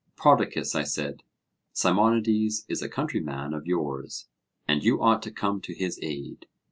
Prodicus, I said, Simonides is a countryman of yours, and you ought to come to his aid.